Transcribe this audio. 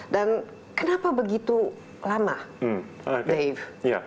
dan kenapa begitu lama dave